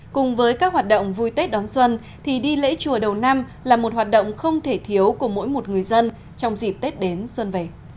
cùng với các hoạt động vui tết đón xuân thì đi lễ chùa đầu năm là một hoạt động không thể thiếu của mỗi một người dân trong dịp tết đến xuân về